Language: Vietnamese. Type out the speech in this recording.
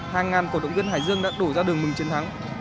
hàng ngàn cổ động viên hải dương đã đổ ra đường mừng chiến thắng